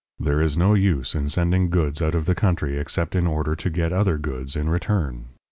There is no use in sending goods out of the country except in order to get other goods in return.